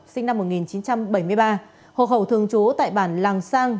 sinh năm một nghìn chín trăm bảy mươi ba hồ hậu thường chú tại bản làng sang